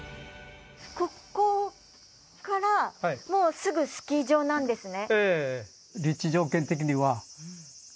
ここからもうすぐスキー場なんですね。